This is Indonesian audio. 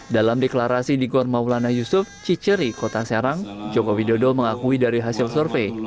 dalam deklarasi di gor maulana yusuf ciceri kota serang joko widodo mengakui dari hasil survei